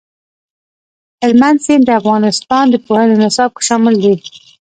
هلمند سیند د افغانستان د پوهنې نصاب کې شامل دي.